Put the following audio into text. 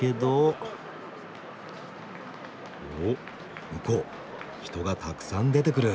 お向こう人がたくさん出てくる。